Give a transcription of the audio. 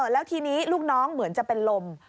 แล้วทีนี้ลูกน้องเหมือนจะเป็นลม